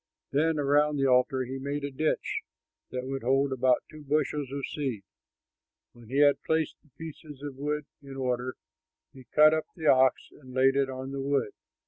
Then around the altar he made a ditch that would hold about two bushels of seed. When he had placed the pieces of wood in order, he cut up the ox and laid it on the wood.